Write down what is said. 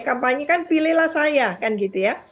kampanye kan pilihlah saya kan gitu ya